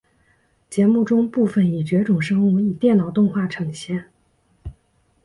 节目中部分已绝种生物以电脑动画呈现。